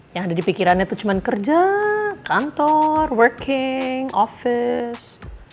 yang ada di pikirannya itu cuma kerja kantor working office